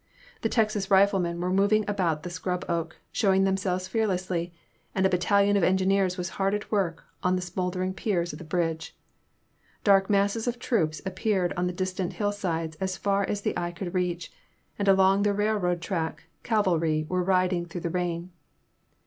The Texan Riflemen were moving about the scrub oak, showing themselves fearlessly, and a bat talion of engineers was hard at work on the smoul dering piers of the bridge. Dark masses of troops appeared on the distant hillsides as far as the eye could reach, and along the railroad track cavalry were riding through the rain.